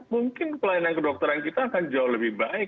mungkin pelayanan kedokteran kita akan jauh lebih baik